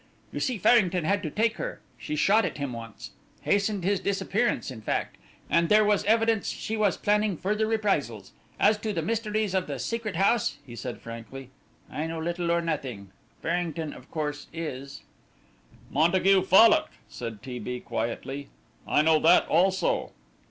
You see Farrington had to take her she shot at him once hastened his disappearance in fact, and there was evidence that she was planning further reprisals. As to the mysteries of the Secret House," he said, frankly, "I know little or nothing. Farrington, of course, is " "Montague Fallock," said T. B. quietly. "I know that also."